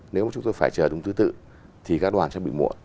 nếu mà chúng tôi phải chờ đúng tư tự thì các đoàn sẽ bị muộn